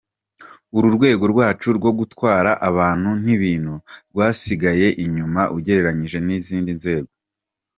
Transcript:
Uru rwego rwacu rwo gutwara abantu n’ibintu rwasigaye inyuma ugereranyije n’izindi nzego.